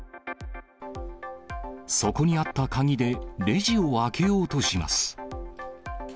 そこにあった鍵でレジを開けようとします。